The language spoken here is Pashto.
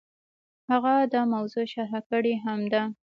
هغه دا موضوع شرح کړې هم ده.